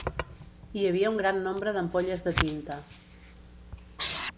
Hi havia un gran nombre d'ampolles de tinta.